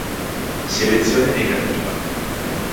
Selezione negativa